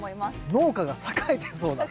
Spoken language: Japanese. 農家が栄えてそうな。